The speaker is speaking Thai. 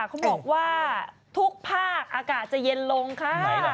เขาบอกว่าทุกภาคอากาศจะเย็นลงค่ะ